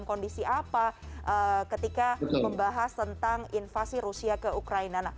kondisi apa ketika membahas tentang invasi rusia ke ukraina